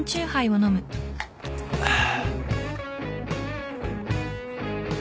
ああ。